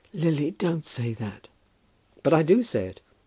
"Lily, don't say that." "But I do say it.